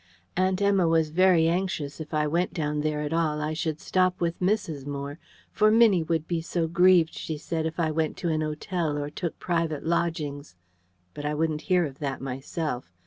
Aunt Emma was very anxious, if I went down there at all, I should stop with Mrs. Moore: for Minnie would be so grieved, she said, if I went to an hotel or took private lodgings. But I wouldn't hear of that myself.